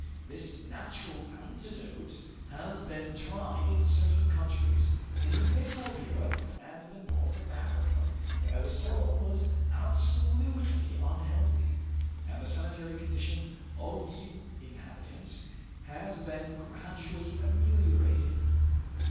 This natural antidote has been tried in certain countries in the middle of Europe and the north of Africa where the soil was absolutely unhealthy, and the sanitary condition of the inhabitants has been gradually ameliorated.